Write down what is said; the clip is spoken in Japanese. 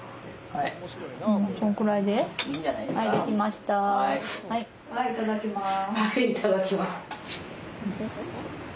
はいいただきます。